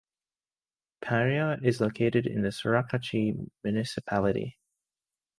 Paria is located in Soracachi municipality.